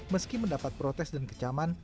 meski mendapat protes dan kecaman